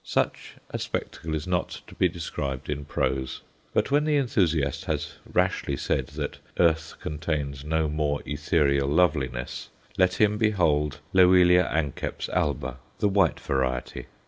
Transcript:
Such a spectacle is not to be described in prose. But when the enthusiast has rashly said that earth contains no more ethereal loveliness, let him behold L. a. alba, the white variety.